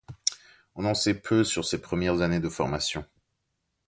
On en sait peu sur ses premières années de formation.